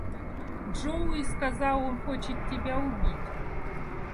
Джоуи сказал, он хочет тебя убить.